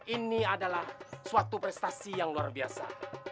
ini adalah suatu prestasi yang luar biasa